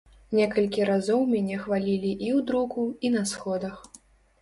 Некалькі разоў мяне хвалілі і ў друку, і на сходах.